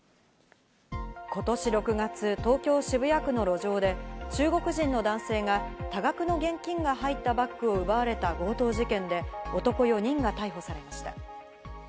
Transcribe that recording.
ことし６月、東京・渋谷区の路上で、中国人の男性が多額の現金が入ったバッグを奪われた強盗事件で、男４人が逮捕されました。